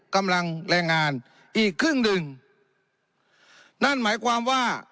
กำลังแรงงานอีกครึ่งหนึ่งนั่นหมายความว่า